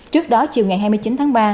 trước đó chiều ngày hai mươi chín tháng ba